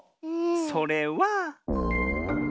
それは。